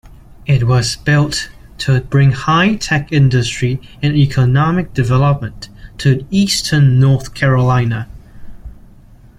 It was built to bring high-tech industry and economic development to eastern North Carolina.